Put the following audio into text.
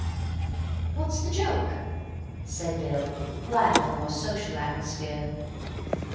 "What's the joke?" said Bill, glad of the more social atmosphere.